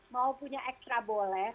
mau punya ekstra boleh